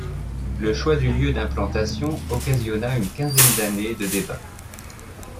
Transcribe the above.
Le choix du lieu d'implantation occasionna une quinzaine d'années de débats.